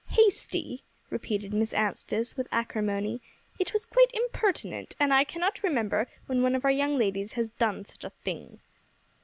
"Hasty?" repeated Miss Anstice, with acrimony, "it was quite impertinent; and I cannot remember when one of our young ladies has done such a thing."